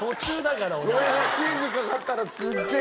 チーズかかったらすげえ。